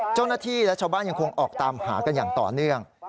เจ้าหน้าที่และชาวบ้านยังคงออกตามหากันอย่างต่อเนื่อง